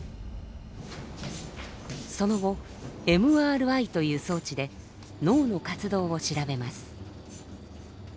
その後ＭＲＩという装置で脳の活動を調べます。